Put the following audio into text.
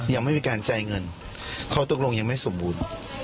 ยังไม่มีการจ่ายเงินข้อตกลงยังไม่สมบูรณ์